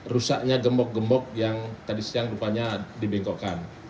rusaknya gembok gembok yang tadi siang rupanya dibengkokkan